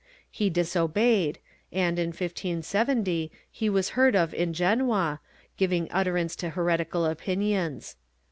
He disobeyed and, in 1570, he was heard of in Genoa, giving utterance to heretical opinions.